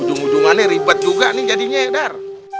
ujung ujungannya ribet juga nih jadinya edar